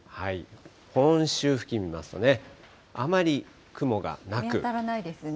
本州付近見ますとね、あまり雲が見当たらないですね。